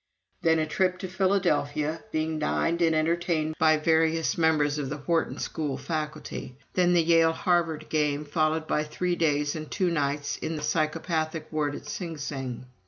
Then a trip to Philadelphia, being dined and entertained by various members of the Wharton School faculty. Then the Yale Harvard game, followed by three days and two nights in the psychopathic ward at Sing Sing.